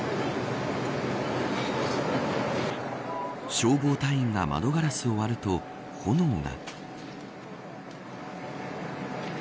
消防隊員が窓ガラスを割ると炎が。